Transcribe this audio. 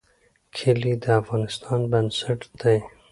کلي د افغانستان بنسټ دی